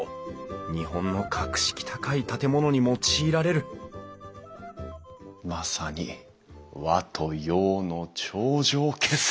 日本の格式高い建物に用いられるまさに和と洋の頂上決戦！